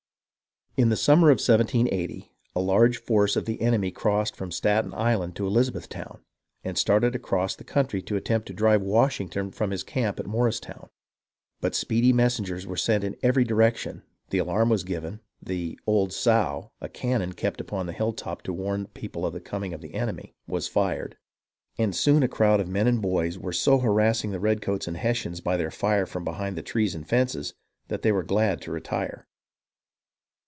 286 HISTORY OF THE AMERICAN REVOLUTION In the summer of 1780, a large force of the enemy crossed from Staten Island to Elizabethtown, and started across the county to attempt to drive Washington from his camp at Morristovvn ; but speedy messengers were sent in every direction, the alarm was given, the "old sow," a cannon kept upon a hilltop to warn people of the coming of the enemy, was fired, and soon a crowd of men and boys were so harassing the redcoats and Hessians by their fire from behind the trees and fences, that they were glad to retire.